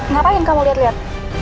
ngapain kamu liat liat